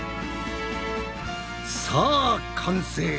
さあ完成！